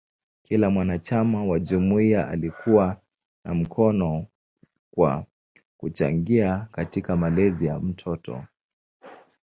Kila mwanachama wa jumuiya alikuwa na mkono kwa kuchangia katika malezi ya mtoto.